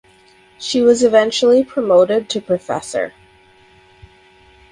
She was eventually promoted to Professor.